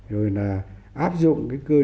rồi là áp dụng cái cơ chế